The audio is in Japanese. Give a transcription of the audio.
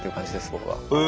僕は。